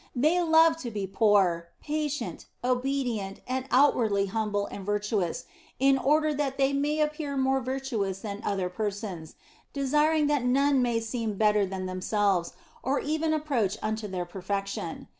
They love to be poor, patient, obedient, and outwardly humble and virtuous, in order that they may appear more virtuous than other persons, desiring that none may seem better than themselves, or even approach unto their perfection.